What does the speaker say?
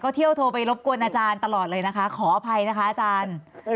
เที่ยวโทรไปรบกวนอาจารย์ตลอดเลยนะคะขออภัยนะคะอาจารย์